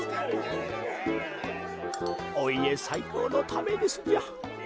おいえさいこうのためですじゃ。